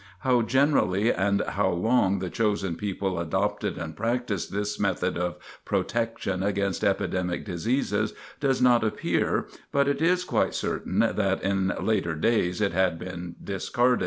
How generally and how long the "Chosen People" adopted and practised this method of protection against epidemic diseases does not appear, but it is quite certain that in later days it had been discarded.